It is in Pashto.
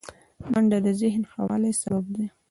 منډه د ذهن ښه والي سبب ده